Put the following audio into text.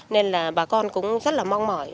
nên là bà con cũng rất là mong mỏi